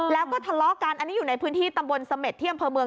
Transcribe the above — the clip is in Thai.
แล้วก็ทะเลาะกันอันนี้อยู่ในพื้นที่ตำบลเสม็ดที่อำเภอเมือง